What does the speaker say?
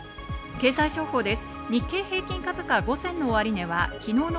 経済情報です。